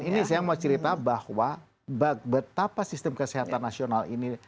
ini saya mau cerita bahwa betapa sistem kesehatan nasional ini